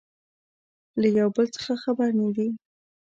له يو بل څخه خبر نه دي